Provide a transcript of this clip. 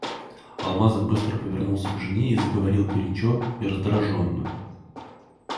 Алмазов быстро повернулся к жене и заговорил горячо и раздражённо.